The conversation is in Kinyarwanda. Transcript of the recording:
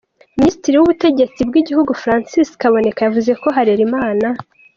Minisitiri w’Ubutegetsi bw’Igihugu, Francis Kaboneka, yavuze ko Harerimana.